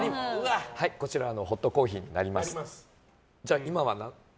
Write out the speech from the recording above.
こちらホットコーヒーになります。